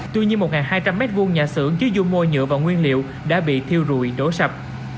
tuy nhiên một hai trăm linh m hai nhà xưởng chứa dung môi nhựa và nguyên liệu đã bị thiêu rụi đổ sập